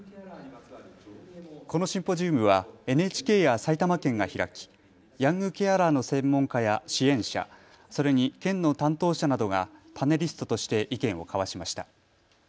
このシンポジウムはＮＨＫや埼玉県が開き、ヤングケアラーの専門家や支援者、それに県の担当者などがパネリストとして意見を交わしました。